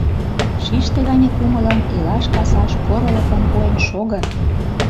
Шиште гане кумылын, илаш-касаш порылыкым пуэн шого.